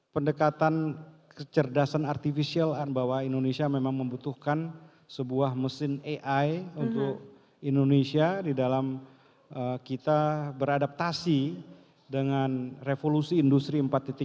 pendekatan kecerdasan artificial bahwa indonesia memang membutuhkan sebuah mesin ai untuk indonesia di dalam kita beradaptasi dengan revolusi industri empat